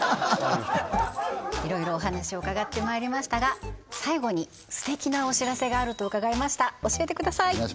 いろいろお話を伺ってまいりましたが最後に素敵なお知らせがあると伺いました教えてください